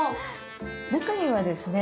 中にはですね